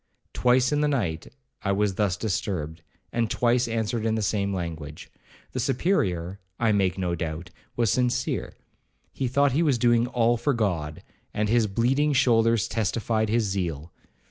Twice in the night, I was thus disturbed, and twice answered in the same language. The Superior, I make no doubt, was sincere. He thought he was doing all for God, and his bleeding shoulders testified his zeal.